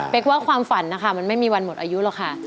กว่าความฝันนะคะมันไม่มีวันหมดอายุหรอกค่ะ